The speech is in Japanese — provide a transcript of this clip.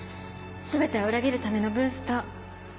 全ては裏切るためのブースター。